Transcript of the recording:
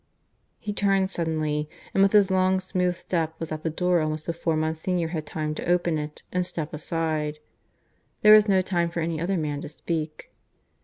He turned suddenly, and with his long smooth step was at the door almost before Monsignor had time to open it and step aside. There was no time for any other man to speak.